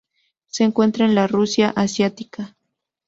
Se encuentra en la Rusia asiática.